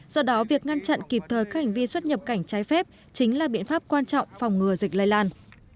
do đó việc ngăn chặn kịp thời các hành vi xuất nhập cảnh trái phép chính là biện pháp quan trọng phòng ngừa dịch lây lan